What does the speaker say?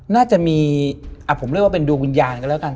น่าจะมีผมเรียกว่าเป็นดวงวิญญาณกันแล้วกัน